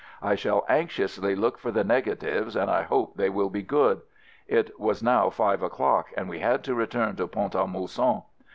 I shall anxiously look for the negatives and I hope they will be good. It was now five o'clock and we had to return to Pont a Mousson.